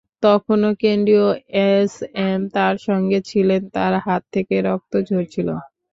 তখনো কেন্দ্রীয় এসএম তাঁর সঙ্গে ছিলেন, তাঁর হাত থেকে রক্ত ঝরছিল।